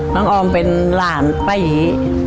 น้องออมเป็นหลานปะหยี